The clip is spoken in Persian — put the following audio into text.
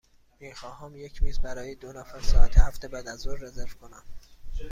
می خواهم یک میز برای دو نفر ساعت هفت بعدازظهر رزرو کنم.